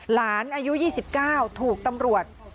หลานอายุ๒๙ถูกตำรวจ